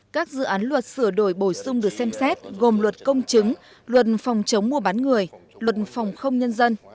các dự án luật sửa đổi bổ sung được xem xét gồm luật công chứng luật phòng chống mua bán người luật phòng không nhân dân